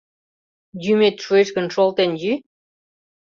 Йӱмет шуэш гын, шолтен йӱ.